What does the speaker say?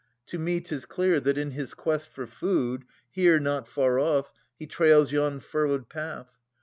To me 'tis clear, that, in his quest for food, Here, not far off, he trails yon furrowed path.